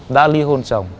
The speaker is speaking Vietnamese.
đã li hôn chồng